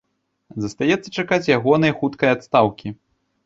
Застаецца чакаць ягонай хуткай адстаўкі.